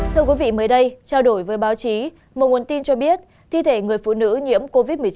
thưa quý vị mới đây trao đổi với báo chí một nguồn tin cho biết thi thể người phụ nữ nhiễm covid một mươi chín